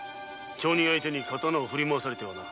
町人相手に刀を振りまわされてはな。